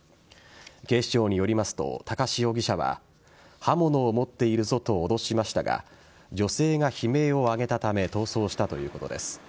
警視庁によりますと高師容疑者は刃物を持っているぞと脅しましたが女性が悲鳴を上げたため逃走したということです。